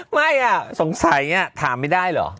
ไม่อ่ะสงสัยอ่ะถามไม่ได้หรอ